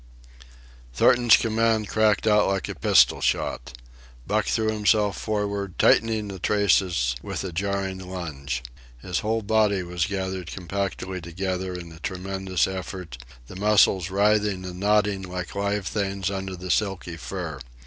Thornton's command cracked out like a pistol shot. Buck threw himself forward, tightening the traces with a jarring lunge. His whole body was gathered compactly together in the tremendous effort, the muscles writhing and knotting like live things under the silky fur.